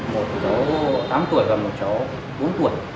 một cháu tám tuổi và một cháu bốn tuổi